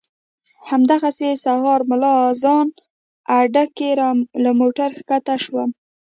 همدغسې سهار ملا اذان اډه کې له موټره ښکته شوم.